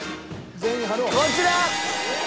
こちら！